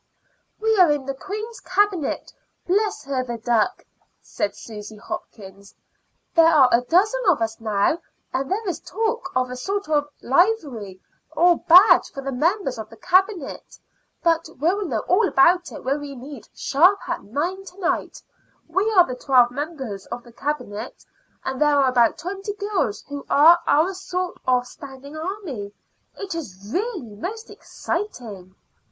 "We are in the queen's Cabinet, bless her, the duck!" said Susy Hopkins. "There are a dozen of us now, and there is talk of a sort of livery or badge for the members of the Cabinet; but we'll know all about it when we meet sharp at nine to night. We are the twelve members of the Cabinet, and there are about twenty girls who are our sort of standing army. It is really most exciting."